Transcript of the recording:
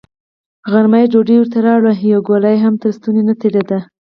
غرمه يې ډوډۍ ورته راوړه، يوه ګوله يې هم تر ستوني نه تېرېده.